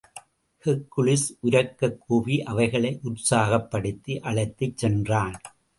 Hercules உரக்கக் கூவி அவைகளை உற்சாகப்படுத்தி அழைத்துச் சென்றான்.